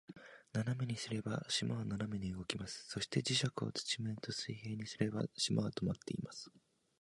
斜めにすれば、島は斜めに動きます。そして、磁石を土面と水平にすれば、島は停まっています。